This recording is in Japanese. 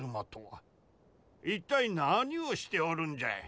一体何をしておるんじゃい？